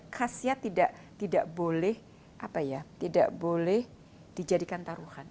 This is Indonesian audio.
khasiat tidak boleh dijadikan taruhan